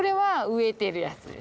植えてるやつ。